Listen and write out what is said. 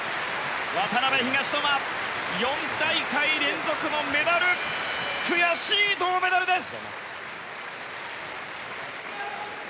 渡辺、東野は４大会連続のメダル悔しい銅メダルです！